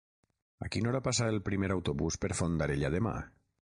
A quina hora passa el primer autobús per Fondarella demà?